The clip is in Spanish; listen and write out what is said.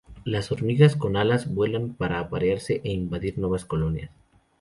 Las hormigas con alas vuelan para aparearse e invadir nuevas colonias.